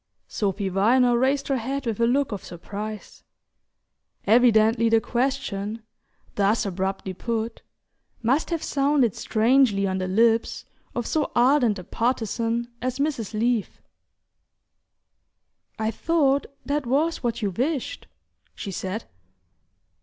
Sophy Viner raised her head with a look of surprise. Evidently the question, thus abruptly put, must have sounded strangely on the lips of so ardent a partisan as Mrs. Leath! "I thought that was what you wished," she said.